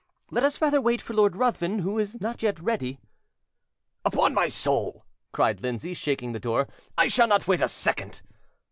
"Let us rather wait for Lord Ruthven, who is not yet ready." "Upon my soul," cried Lindsay, shaking the door, "I shall not wait a second".